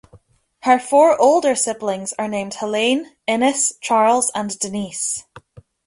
Her four older siblings are named Helene, Ines, Charles and Denise.